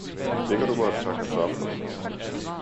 Stikker du mig et par kartofler?